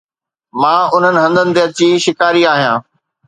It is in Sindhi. مان انهن هنڌن تي اچي شڪاري آهيان